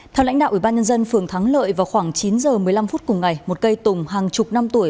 theo lãnh đạo ủy ban nhân dân phường thắng lợi vào khoảng chín h một mươi năm phút cùng ngày một cây tùng hàng chục năm tuổi